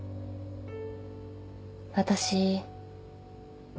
私。